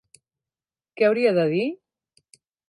Què hauria de dir?